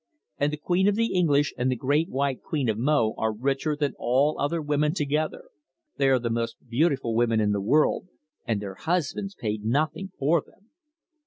And the Queen of the English and the Great White Queen of Mo are richer than all other women together. They are the most beautiful women in the world, and their husbands paid nothing for them."